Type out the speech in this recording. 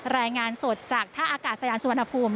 รายงานสดจากท่าอากาศยานสุวรรณภูมิ